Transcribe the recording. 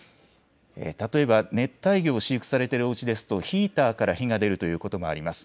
例えば熱帯魚を飼育されているおうちですとヒーターから火が出るということもあります。